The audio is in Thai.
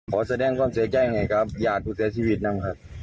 ขอแสดงความเสียใจรังไงครับอยากจะเสียชีวิตน่ะครับ